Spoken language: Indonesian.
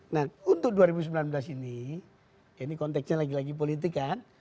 nah untuk dua ribu sembilan belas ini ini konteksnya lagi lagi politik kan